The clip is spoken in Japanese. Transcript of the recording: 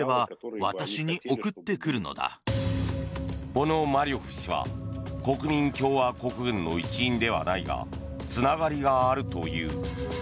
ポノマリョフ氏は国民共和国軍の一員ではないがつながりがあるという。